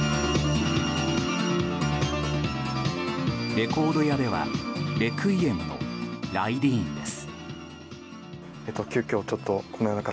レコード屋では、レクイエムの「ライディーン」です。